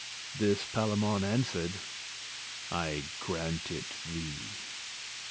This Palamon answer'd, "I grant it thee."